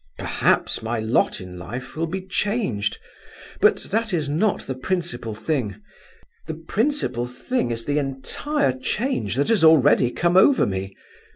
Perhaps my lot in life will be changed; but that is not the principal thing. The principal thing is the entire change that has already come over me.